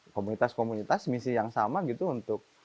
komunitas komunitas misi yang sama gitu untuk